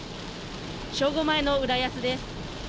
正午前の浦安です。